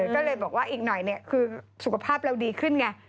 ก็เลยบอกว่าอีกหน่อยคือสุขภาพเราดีขึ้นไง